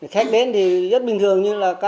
khách đến thì rất bình thường